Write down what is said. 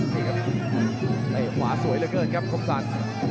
นี่ครับเตะขวาสวยเหลือเกินครับคมสรร